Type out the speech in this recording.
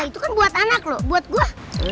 itu kan buat anak loh buat gue